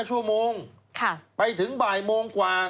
ชั่วโมงไปถึงบ่ายโมงกว่า